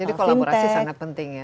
jadi kolaborasi sangat penting ya